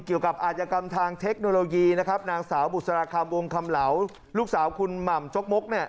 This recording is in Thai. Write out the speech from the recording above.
เกี่ยวกับอาจกรรมทางเทคโนโลยีนะครับนางสาวบุษรคำวงคำเหลาลูกสาวคุณหม่ำชกมกเนี่ย